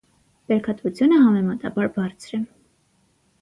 Բերքատվութիւնը համեմատաբար բարձր է։